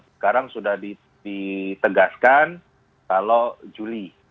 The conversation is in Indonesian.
sekarang sudah ditegaskan kalau juli